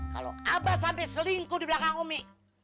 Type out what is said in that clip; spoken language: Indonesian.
kalau abah sampai selingkuh di belakang umi